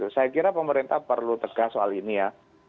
saya kira pemerintah perlu tegas soal ini ya